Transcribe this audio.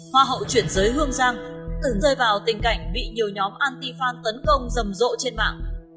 hoa hậu chuyển giới hương giang từng rơi vào tình cảnh bị nhiều nhóm anti fan tấn công rầm rộ trên mạng